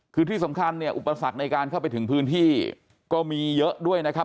คือที่สำคัญเนี่ยอุปสรรคในการเข้าไปถึงพื้นที่ก็มีเยอะด้วยนะครับ